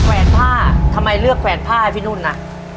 แวนผ้าทำไมเลือกแขวนผ้าให้พี่นุ่นน่ะ